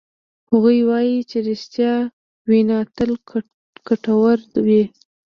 هغوی وایي چې ریښتیا وینا تل ګټوره وی